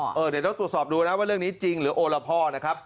เดี๋ยวต้องตรวจสอบดูนะว่าเรื่องนี้จริงหรือโอละพ่อนะครับ